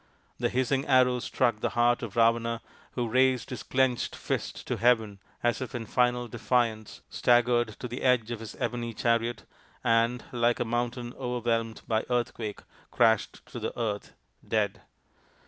The hissing arrow struck the heart of Ravana, who raised his clenched fist to Heaven as if in final defiance, staggered to the edge of his ebony chariot, and, like a mountain over whelmed by earthquake, crashed to the earth dead.